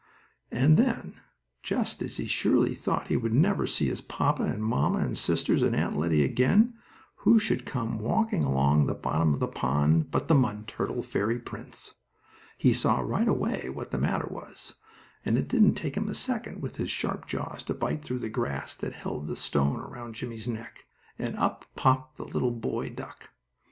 And then, just as he surely thought he would never see his papa, and mamma, and sisters, and Aunt Lettie again, who should come walking along the bottom of the pond but the mud turtle fairy prince. He saw right away what the matter was, and it didn't take him a second, with his sharp jaws, to bite through the grass that held, the stone around Jimmie's neck, and up popped the little boy duck!